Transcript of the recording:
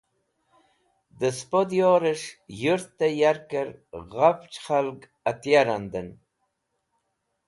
Dẽ sẽpo diyorẽs̃h yũrtẽ yarkẽr ghafch khalg etya rnadẽn